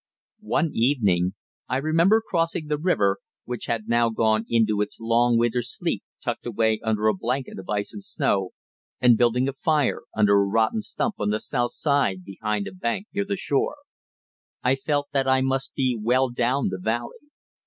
One evening I remember crossing the river, which had now gone into its long winter sleep tucked away under a blanket of ice and snow, and building a fire under a rotten stump on the south side behind a bank near the shore. I felt that I must be well down the valley.